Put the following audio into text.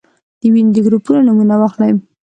د وینې د ګروپونو نومونه واخلئ.